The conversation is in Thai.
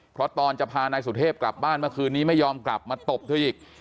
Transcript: เพราะตอนจะพานายสุเทพกลับบ้านเมื่อคืนนี้ไม่ยอมกลับมาตบเธออีก